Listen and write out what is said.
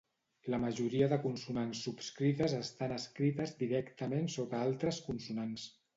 La majoria de consonants subscrites estan escrites directament sota altres consonants.